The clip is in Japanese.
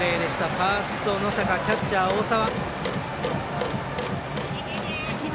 ファースト、能坂キャッチャー大澤。